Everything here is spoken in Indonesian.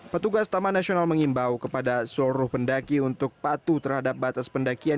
petugas taman nasional mengimbau kepada seluruh pendaki untuk patuh terhadap batas pendakian